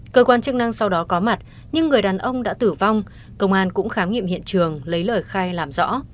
cơ quan chức năng sau đó có mặt nhưng người đàn ông đã tử vong công an cũng khám nghiệm hiện trường lấy lời khai làm rõ